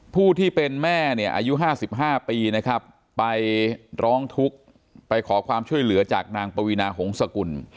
ผู้ที่เป็นแม่เนี่ยอายุ๕๕ปีนะครับไปร้องทุกข์ไปขอความช่วยเหลือจากนางปวีนาหงษกุล